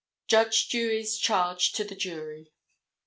Judge Dewey's Charge to the Jury.